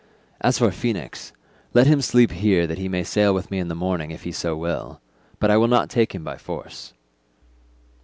As for Phoenix, let him sleep here that he may sail with me in the morning if he so will. But I will not take him by force."